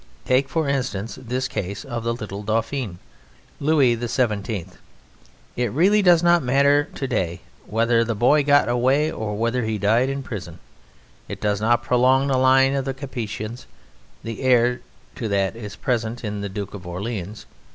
Take, for instance, this case of the little Dauphin, Louis XVII. It really does not matter to day whether the boy got away or whether he died in prison. It does not prolong the line of the Capetians the heir to that is present in the Duke of Orleans.